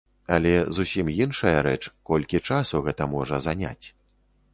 Але зусім іншая рэч, колькі часу гэта можа заняць.